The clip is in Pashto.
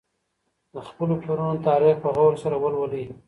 د خپلو پلرونو تاريخ په غور سره ولولئ.